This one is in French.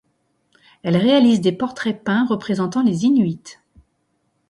Elle réalise des portraits peints représentant les inuits.